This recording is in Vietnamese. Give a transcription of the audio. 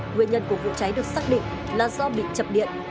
nguyên nhân của vụ cháy được xác định là do bị chập điện